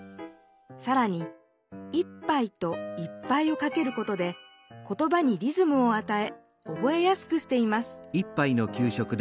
さらに「一杯」と「いっぱい」をかけることで言葉にリズムをあたえおぼえやすくしています